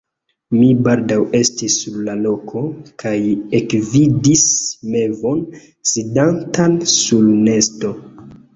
Mi baldaŭ estis sur la loko, kaj ekvidis mevon sidantan sur nesto.